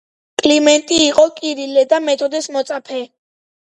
კლიმენტი იყო კირილე და მეთოდეს მოწაფე.